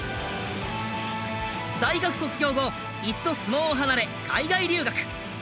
大学卒業後一度相撲を離れ海外留学。